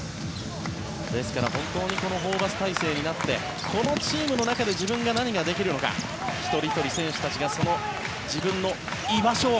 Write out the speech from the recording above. ですから、本当にこのホーバス体制になってこのチームの中で自分が何ができるのか一人ひとり選手たちが自分の居場所を